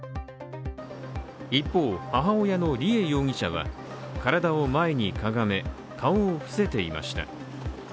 一方、母親の梨恵容疑者は体を前にかがめ、顔を伏せていました。